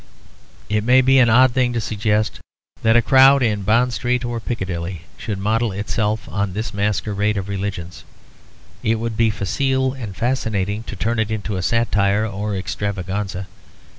It may be an odd thing to suggest that a crowd in Bond Street or Piccadilly should model itself on this masquerade of religions. It would be facile and fascinating to turn it into a satire or an extravaganza.